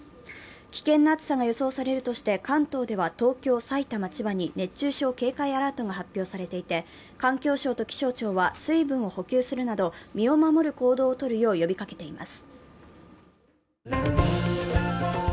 危険な暑さが予想されるとして関東では東京、埼玉、千葉に熱中症警戒アラートが発表されていて環境省と気象庁は水分を補給するなど身を守る行動を取るよう呼びかけています。